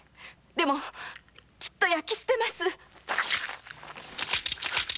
でもきっと焼き捨てます。